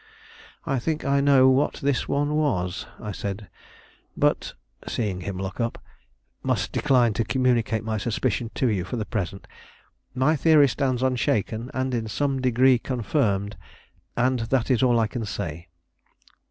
"I think I know what this one was," I said; "but" seeing him look up "must decline to communicate my suspicion to you for the present. My theory stands unshaken, and in some degree confirmed; and that is all I can say."